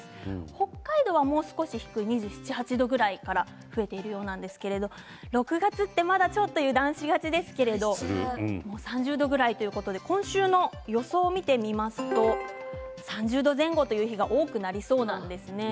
北海道はもう少し低い２８、２９度くらいから増えているんですが６月ってまだ油断しがちですけれど３０度ぐらいということで今週の予想を見てみますと３０度前後という日が多くなりそうなんですね。